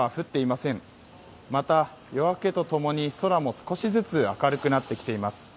また夜明けとともに空も少しずつ明るくなってきています。